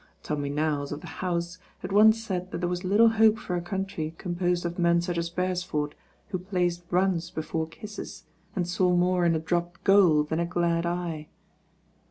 Tommy Knowles of "the House" had once said that there was little hope for a country composed of men such as Beres ford, who placed runs before kisses, and saw more in a dropped goal than a glad eye.